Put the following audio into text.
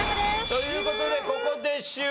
という事でここで終了。